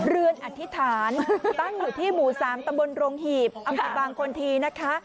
เรือนอธิษฐานตั้งอยู่ที่หมู่๓ตำบลโรงหีบอำเภอบางคนทีนะคะ